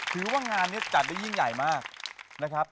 ถือว่างานนี้จัดได้ยิ่งใหญ่มากนะครับ